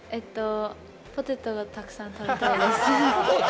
ポテトをたくさん食べたいです。